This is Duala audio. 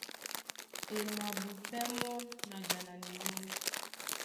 E mabupɛ́ mɔ́ na jananɛ mɔ́,